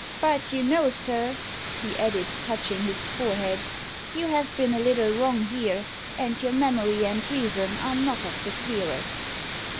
But you know, sir," he added, touching his forehead, "you have been a little wrong here, and your memory and reason are not of the clearest."